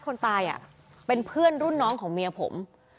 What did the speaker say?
คนตายเป็นเพื่อนรุ่นน้องของเมียผม